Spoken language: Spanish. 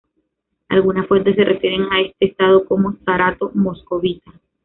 Algunas fuentes se refieren a este Estado como Zarato moscovita.